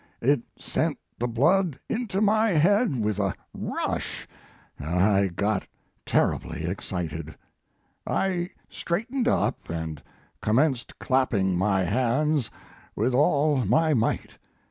It sent the blood into my head with a rush, and I got terribly excited. I straightened up and commenced clap ping my hands with all my might.